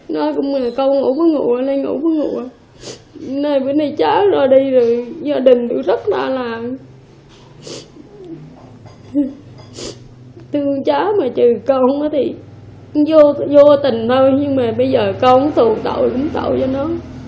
nhưng mà bây giờ con cũng tội lắm tội cho nó